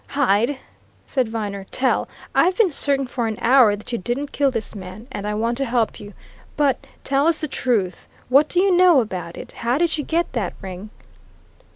"Hyde!" said Viner. "Tell! I've been certain for an hour that you didn't kill this man, and I want to help you. But tell us the truth! What do you know about it? How did you get that ring?"